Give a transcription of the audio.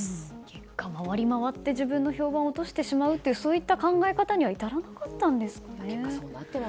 結果、回り回って自分の評判を落としてしまうというそういった考え方には至らなかったんですかね。